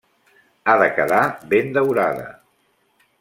Ha de quedar ben daurada.